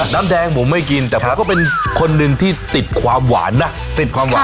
น้ำแดงผมไม่กินแต่เขาก็เป็นคนนึงที่ติดความหวานนะ